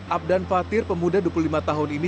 abdan fatir pemuda dua puluh lima tahun ini